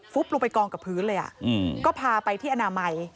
ลงไปกองกับพื้นเลยก็พาไปที่อนามัย